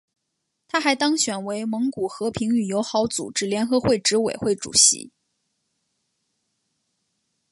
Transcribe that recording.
他还当选为蒙古和平与友好组织联合会执委会主席。